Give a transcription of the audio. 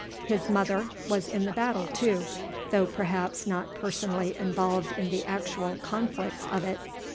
His mother was in the battle too, though, perhaps, not personally involved in the actual conflicts of it.